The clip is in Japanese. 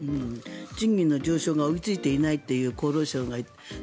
賃金の上昇が追いついていないと厚労省が言っている。